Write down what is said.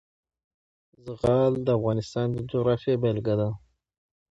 زغال د افغانستان د جغرافیې بېلګه ده.